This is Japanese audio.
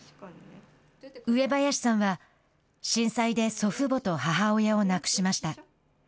上林さんは震災で祖父母と母親を亡くしました。